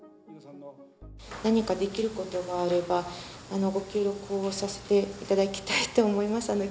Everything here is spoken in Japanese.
何かできることがあれば、ご協力をさせていただきたいと思います。